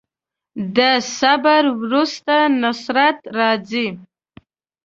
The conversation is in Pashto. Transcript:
د صبر وروسته نصرت راځي.